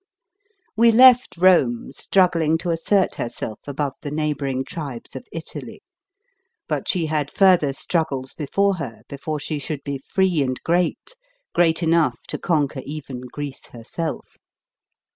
WE left Rome struggling to assert herself above the neighbouring tribes of Italy. But she had further struggles before her, before she should be free and great great enough to conquer even Greece herself.